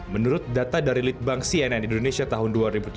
menurut data dari litbang cnn indonesia tahun dua ribu tujuh belas dua ribu delapan belas